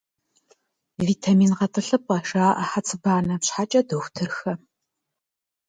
«Витамин гъэтӀылъыпӀэ» жаӀэ хьэцыбанэхэм щхьэкӀэ дохутырхэм.